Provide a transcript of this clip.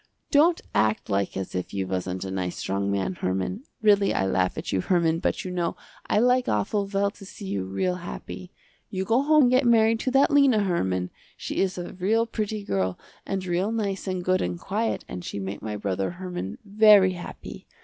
Don't act like as if you wasn't a nice strong man, Herman. Really I laugh at you Herman, but you know I like awful well to see you real happy. You go home and get married to that Lena, Herman. She is a real pretty girl and real nice and good and quiet and she make my brother Herman very happy.